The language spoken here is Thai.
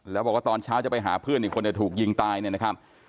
แล้วบอกว่าตอนเช้าจะไปหาเพื่อนอีกคนจะถูกยิงตายเนี่ยนะครับ